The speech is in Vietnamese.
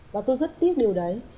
và tôi rất tiếc điều đấy